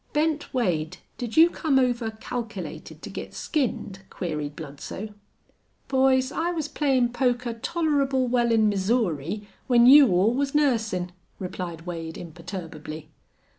"Bent Wade, did you come over calkilated to git skinned?" queried Bludsoe. "Boys, I was playin' poker tolerable well in Missouri when you all was nursin'," replied Wade, imperturbably.